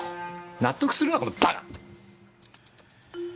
納得するなこのバカ！